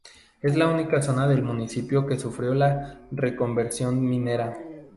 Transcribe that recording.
Es la única zona del municipio que sufrió la reconversión minera.